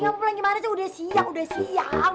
iya mau pulang gimana sih udah siang udah siang